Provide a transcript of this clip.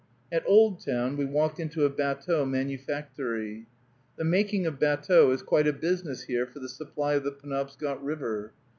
At Oldtown, we walked into a batteau manufactory. The making of batteaux is quite a business here for the supply of the Penobscot River.